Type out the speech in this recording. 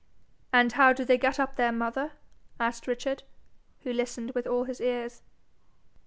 'And how do they get up there, mother?' asked Richard, who listened with all his ears.